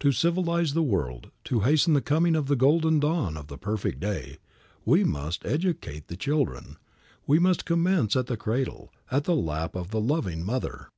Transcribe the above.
To civilize the world, to hasten the coming of the Golden Dawn of the Perfect Day, we must educate the children, we must commence at the cradle, at the lap of the loving mother.